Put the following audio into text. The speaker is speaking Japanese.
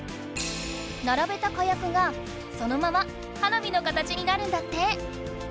ならべた火薬がそのまま花火の形になるんだって。